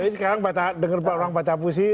sekarang denger orang baca puisi